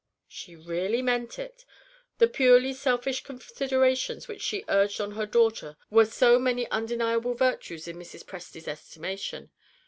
She really meant it! The purely selfish considerations which she urged on her daughter were so many undeniable virtues in Mrs. Presty's estimation.